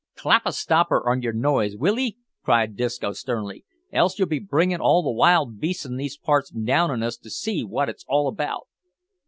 "Clap a stopper on yer noise, will 'ee?" cried Disco sternly, "else you'll be bringin' all the wild beasts in these parts down on us to see wot it's all about."